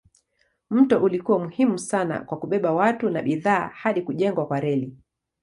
Mto ulikuwa muhimu sana kwa kubeba watu na bidhaa hadi kujengwa kwa reli.